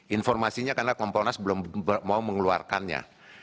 informasinya karena kompon nas belum mau mengeluarkannya